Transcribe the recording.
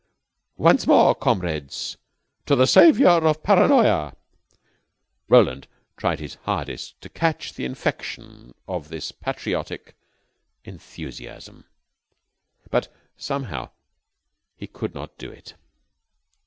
Once more, comrades. To the Savior of Paranoya!" Roland tried his hardest to catch the infection of this patriotic enthusiasm, but somehow he could not do it.